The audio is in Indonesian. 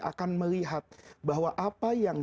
akan melihat bahwa apa yang